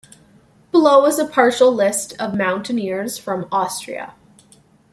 Below is a partial list of mountaineers from Austria.